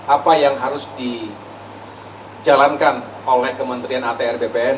apa yang harus dijalankan oleh kementerian atr bpn